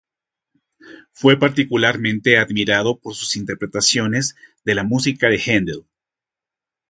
Fue particularmente admirado por sus interpretaciones de la música de Haendel.